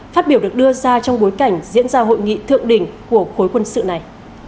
phát biểu được đưa ra trong bối cảnh diễn ra hội nghị thượng đỉnh của khối quân sự này